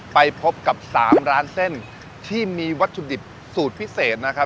ไปพบกับ๓ร้านเส้นที่มีวัตถุดิบสูตรพิเศษนะครับ